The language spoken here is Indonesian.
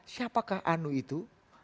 siapakah anu itu